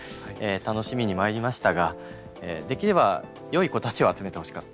楽しみにまいりましたができればよい子たちを集めてほしかった。